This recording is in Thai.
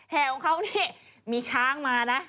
แห่ของเขานี่มีช้างมานะ